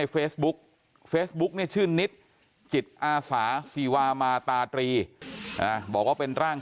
เฟซบุ๊กเฟซบุ๊กเนี่ยชื่อนิดจิตอาสาศิวามาตาตรีบอกว่าเป็นร่าง